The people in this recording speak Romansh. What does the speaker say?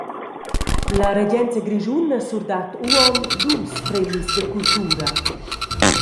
La regenza grischuna surdat uonn dus premis da cultura.